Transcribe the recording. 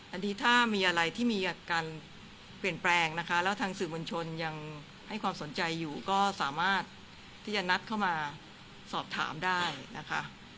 อันนี้ถ้ามีอะไรที่มีอาการเปลี่ยนแปลงนะคะแล้วทางสื่อมวลชนยังให้ความสนใจอยู่ก็สามารถที่จะนัดเข้ามาสอบถามได้นะคะ